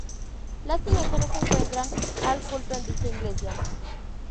Las imágenes se encuentran al culto en dicha iglesia.